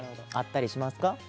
あったりしますか？